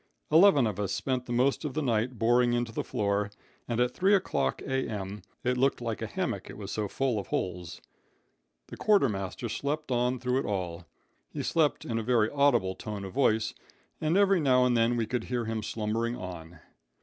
Eleven of us spent the most of the night boring into the floor, and at three o'clock A.M. it looked like a hammock, it was so full of holes. The quartermaster slept on through it all. He slept in a very audible tone of voice, and every now and then we could hear him slumbering on.